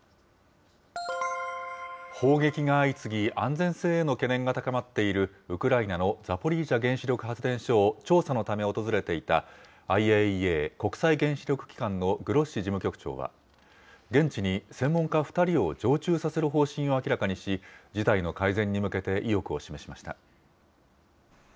砲撃が相次ぎ、安全性への懸念が高まっているウクライナのザポリージャ原子力発電所を調査のため訪れていた、ＩＡＥＡ・国際原子力機関のグロッシ事務局長は、現地に専門家２人を常駐させる方針を明らかにし、事態の改善に向けて意欲を示しました。